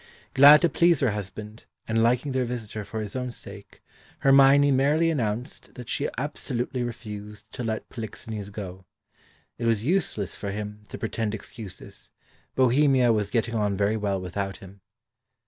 Glad to please her husband, and liking their visitor for his own sake, Hermione merrily announced that she absolutely refused to let Polixenes go. It was useless for him to pretend excuses; Bohemia was getting on very well without him.